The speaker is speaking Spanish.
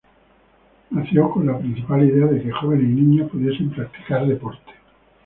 Nació con la principal idea de que jóvenes y niños pudiesen practicar deporte.